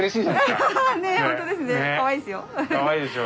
かわいいでしょ。